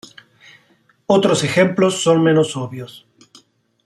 Otros ejemplos son menos obvios.